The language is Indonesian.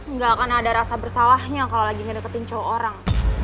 nggak akan ada rasa bersalahnya kalau lagi ngedekatin cuma orang